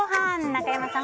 中山さん